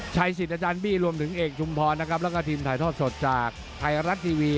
ชัยสิทธิ์อาจารย์บี้รวมถึงเอกชุมพรนะครับแล้วก็ทีมถ่ายทอดสดจากไทยรัฐทีวี